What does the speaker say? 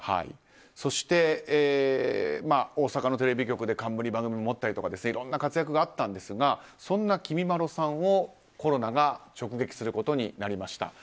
そして、大阪のテレビ局で冠番組を持ったりいろいろな活躍があったんですがそんなきみまろさんをコロナが直撃することになりました。